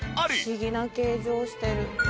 「不思議な形状してる」